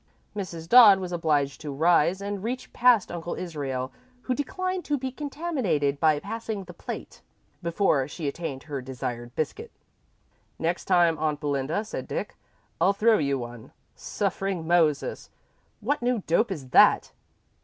Mrs. Dodd was obliged to rise and reach past Uncle Israel, who declined to be contaminated by passing the plate, before she attained her desired biscuit. "Next time, Aunt Belinda," said Dick, "I'll throw you one. Suffering Moses, what new dope is that?"